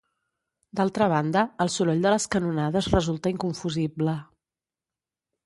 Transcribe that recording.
D'altra banda, el soroll de les canonades resulta inconfusible